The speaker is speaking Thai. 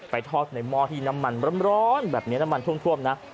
ทอดในหม้อที่น้ำมันร้อนแบบนี้น้ำมันท่วมนะ